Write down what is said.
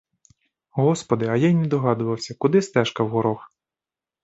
Господи, а я й не догадувався, куди стежка в горох!